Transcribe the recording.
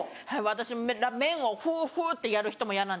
私麺をフフってやる人も嫌なんですよ。